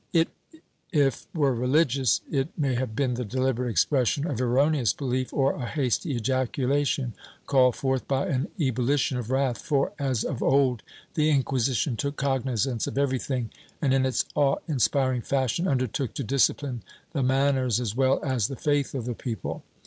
It if were religious, it may have been the deliberate expression of erroneous belief, or a hasty ejaculation called forth by an ebullition of wrath for, as of old the Inquisition took cognizance of everything and, in its awe inspiring fashion, undertook to discipline the manners as well as the faith of the people.